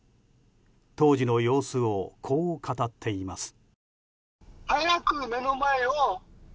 当時の様子をこう語っています。